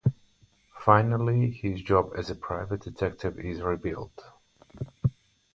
Finally, his job as a private detective is revealed.